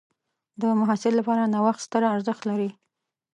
د محصل لپاره نوښت ستر ارزښت لري.